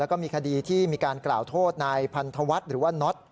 แล้วก็มีคดีที่มีการกล่าวโทษนายพันธวัฒน์หรือว่าน็อต